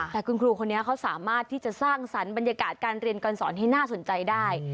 แต่คุณครูคนนี้เขาสามารถที่จะสร้างสรรค์บรรยากาศการเรียนการสอนให้น่าสนใจได้